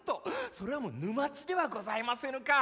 それはもう沼地ではございませぬか。